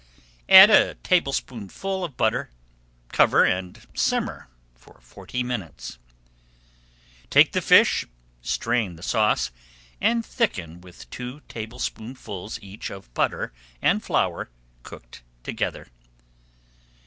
Add a tablespoonful of butter, cover and simmer for forty minutes. Take up the fish, strain the sauce and thicken with two tablespoonfuls each of butter and flour cooked together.